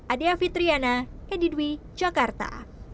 adia fitriana edi dwi jakarta